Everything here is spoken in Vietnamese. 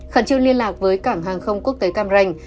khẩn trương liên lạc với cảng hàng không quốc tế cam ranh